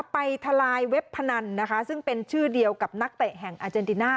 ทลายเว็บพนันนะคะซึ่งเป็นชื่อเดียวกับนักเตะแห่งอาเจนติน่า